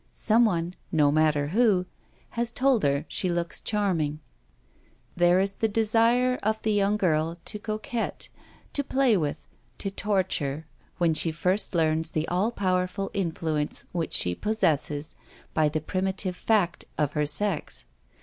Some one — no matter who — has told her she looks charming. 43 44 THE STORY OF A MODERN WOMAN. There is the desire of the young girl to coquet, to play with, to torture, when she first learns the all powerful influence which she possesses by the primitive fact of her sex.